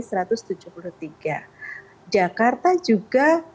jakarta juga berpengaruh di kota kota di dunia dan juga di kota kota di dunia